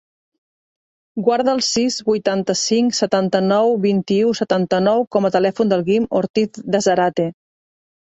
Guarda el sis, vuitanta-cinc, setanta-nou, vint-i-u, setanta-nou com a telèfon del Guim Ortiz De Zarate.